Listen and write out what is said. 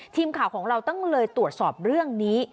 ทีมข่าวของเราต้องเลยตรวจสอบเรื่องนี้